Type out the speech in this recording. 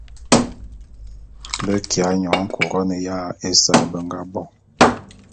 Be kiya nyoñe Couronne ya ésae be nga bo.